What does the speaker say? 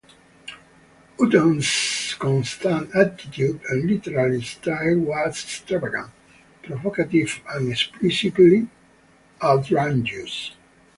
Hooton's constant attitude and literary style was extravagant, provocative and explicitly outrageous.